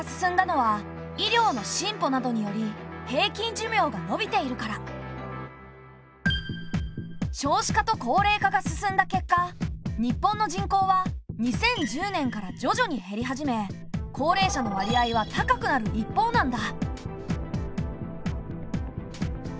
高齢化が進んだのは少子化と高齢化が進んだ結果日本の人口は２０１０年からじょじょに減り始め高齢者の割合は高くなる一方なんだ。